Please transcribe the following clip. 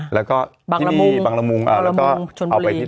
แล้วก็บางระมุงบางระมุงอ่าแล้วก็บางระมุงชนปรีเอาไปที่ทอง